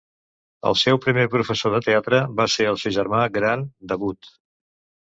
El seu primer professor de teatre va ser el seu germà gran, Davood.